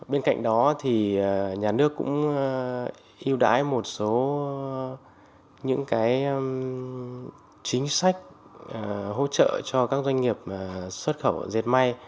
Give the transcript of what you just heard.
bên cạnh đó thì nhà nước cũng yêu đái một số những chính sách hỗ trợ cho các doanh nghiệp xuất khẩu dệt may